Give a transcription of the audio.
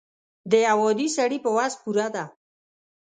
د یو عادي سړي په وس پوره ده.